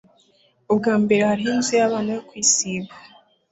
Ubwa mbere hariho inzu y'abana yo kwisiga